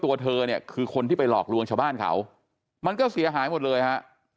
ตัวเธอเนี่ยคือคนที่ไปหลอกลวงชาวบ้านเขามันก็เสียหายหมดเลยฮะ